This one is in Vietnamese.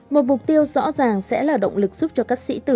một mục tiêu rõ ràng sẽ là động lực giúp cho các sĩ tử